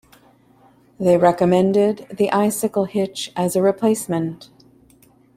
They recommended the Icicle hitch as a replacement.